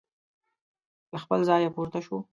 له خپل ځایه پورته شو.